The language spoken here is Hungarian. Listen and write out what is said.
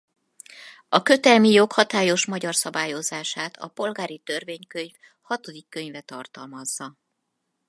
A kötelmi jog hatályos magyar szabályozását a polgári törvénykönyv hatodik könyve tartalmazza.